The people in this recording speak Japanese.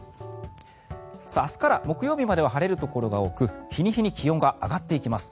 明日から木曜日までは晴れるところが多く日に日に気温が上がっていきます。